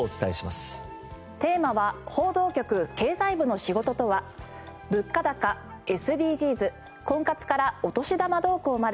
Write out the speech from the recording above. テーマは「報道局経済部の仕事とは物価高ＳＤＧｓ婚活からお年玉動向まで」。